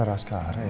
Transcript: farah ascara ya